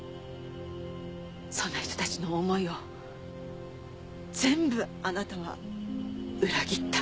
そんな人たちの思いを全部あなたは裏切った。